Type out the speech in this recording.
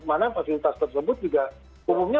mana fasilitas tersebut juga umumnya